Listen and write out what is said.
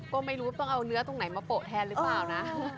ก็ไม่รู้ต้องเอาเนื้อตรงไหนมาโปะแทนหรือเปล่านะ